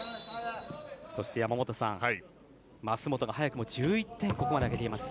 そして舛本が早くも１１点ここまで挙げています。